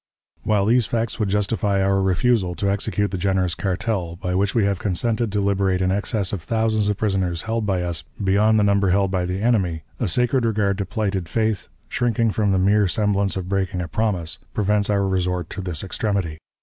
"While these facts would justify our refusal to execute the generous cartel, by which we have consented to liberate an excess of thousands of prisoners held by us beyond the number held by the enemy, a sacred regard to plighted faith, shrinking from the mere semblance of breaking a promise, prevents our resort to this extremity.